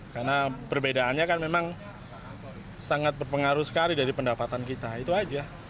karena perbedaannya kan memang sangat berpengaruh sekali dari pendapatan kita itu aja